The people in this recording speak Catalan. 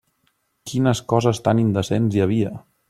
Quines coses tan indecents hi havia!